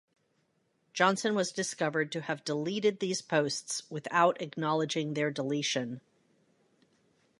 Johnson was discovered to have deleted these posts without acknowledging their deletion.